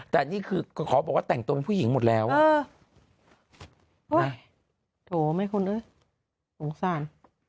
แต่นี่คือขอบอกว่าแต่งตัวเป็นผู้หญิงหมดแล้วโถไหมคุณเอ้ยสงสาร